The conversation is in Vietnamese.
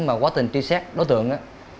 mà quá tình truy xét đối tượng